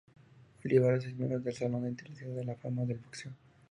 Olivares es miembro de Salón Internacional de la Fama del Boxeo.